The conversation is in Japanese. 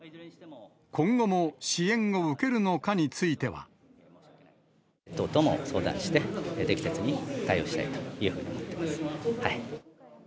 今後も支援を受けるのかについては。党とも相談して、適切に対応したいというふうに思っています。